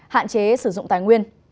hạn chế sử dụng tài nguyên